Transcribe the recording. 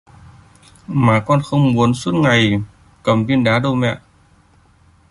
mà con không muốn suốt ngày cầm viên đá đâu mẹ